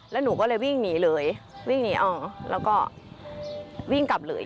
แล้วหนูก็เลยวิ่งหนีเลยวิ่งหนีออกแล้วก็วิ่งกลับเลย